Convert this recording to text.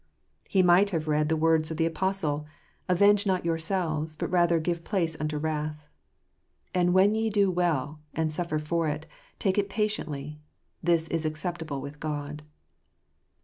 He might have read the 31 fErampfomt Clearing. 61 words of the apostle, " Avenge not yourselves, but rather give place unto wrath." " If when ye do well, and suffer for it, ye take it patiently, this is acceptable with God."